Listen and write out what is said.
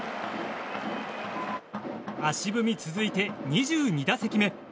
足踏み続いて２２打席目。